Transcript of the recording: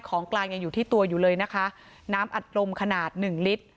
ของกลางยังอยู่ที่ตัวอยู่เลยนะคะน้ำอัดลมขนาดหนึ่งลิตร